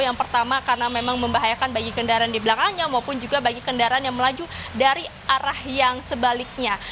yang pertama karena memang membahayakan bagi kendaraan di belakangnya maupun juga bagi kendaraan yang melaju dari arah yang sebaliknya